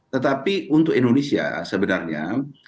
tetapi untuk indonesia sebenarnya